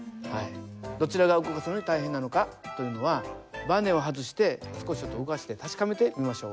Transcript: どちらが動かすのに大変なのかというのはバネを外して少しちょっと動かして確かめてみましょう。